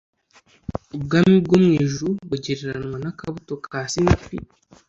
ubwami bwo mu ijuru bugereranywa n akabuto ka sinapi